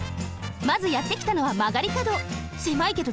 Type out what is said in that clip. まずやってきたのはまがりかど。